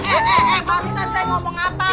eh eh eh baru saya ngomong apa